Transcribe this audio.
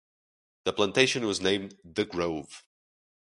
The plantation was named "The Grove".